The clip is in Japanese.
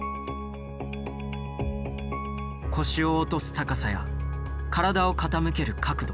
腰を落とす高さや体を傾ける角度。